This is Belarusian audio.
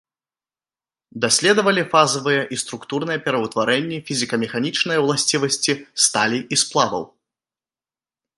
Даследавалі фазавыя і структурныя пераўтварэнні, фізіка-механічныя ўласцівасці сталі і сплаваў.